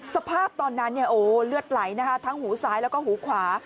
สภาพตอนนั้นเลือดไหลนะคะทั้งหูซ้ายแล้วก็หูขวา